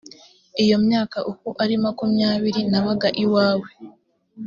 iyo myaka uko ari makumyabiri nabaga iwawe